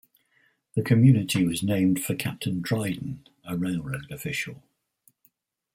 The community was named for Captain Dryden, a railroad official.